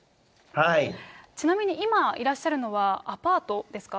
ちなみに今、いらっしゃるのはアパートですか？